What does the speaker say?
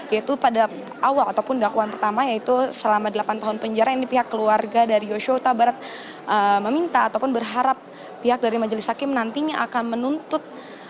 yaitu pada awal ataupun dakwaan pertama yaitu selama delapan tahun penjara ini pihak keluarga dari yosua huta barat meminta ataupun berharap pihak dari majelis hakim nantinya akan menuntut